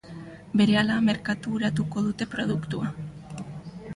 Berehala merkaturatuko dute produktua.